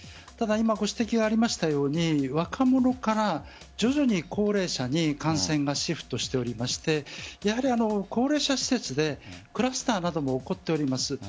ただ、ご指摘がありましたように若者から徐々に高齢者に感染がシフトしておりまして高齢者施設でクラスターなども起こっております。